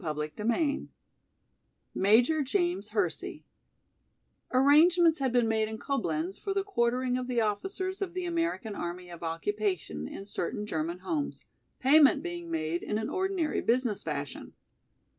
CHAPTER XIV Major James Hersey ARRANGEMENTS had been made in Coblenz for the quartering of the officers of the American Army of Occupation in certain German homes, payment being made in an ordinary business fashion.